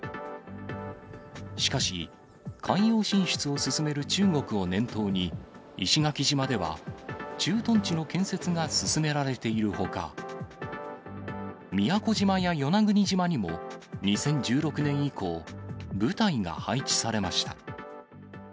しかし、海洋進出を進める中国を念頭に、石垣島では駐屯地の建設が進められているほか、宮古島や与那国島にも２０１６年以降、部隊が配置されました。